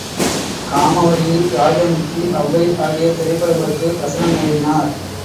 காமவல்லி, ராஜமுக்தி, அவ்வை ஆகிய திரைப்படங்களுக்கு வசனம் எழுதினார்.